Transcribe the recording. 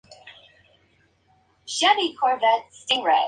El medicamento puede disminuir la producción de leche materna.